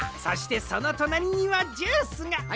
そしてそのとなりにはジュースが。